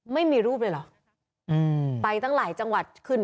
ไม่มีรูปเลยเหรออืมไปตั้งหลายจังหวัดขึ้น